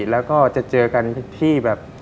แล้วก็จะเจอกันที่แบบ